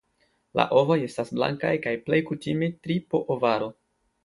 La ovoj estas blankaj kaj plej kutime tri po ovaro.